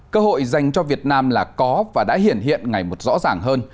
cơ hội dành cho việt nam là có và đã hiện hiện ngày một rõ ràng hơn